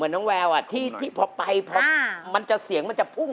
ดูหน่อยเดี๋ยวเมื่อไปเสียงมันจะพุ่ง